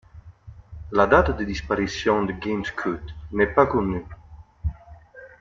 La date de disparition de Gameskoot n'est pas connue.